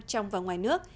trong và ngoài nước